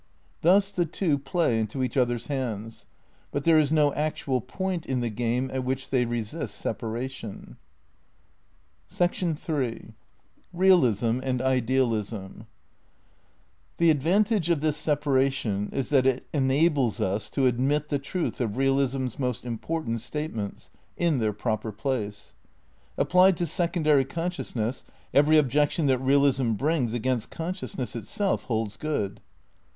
Thus the two play into each other's hands ; but there is no actual point in the game at which they resist separation. iii The advantage of this separation is that it enables us to admit the truth of realism's most important state jjogjjgj^ ments — in their proper place. Applied to secondary and consciousness every objection that realism brings ^'^®®^^®™ against consciousness itself holds good.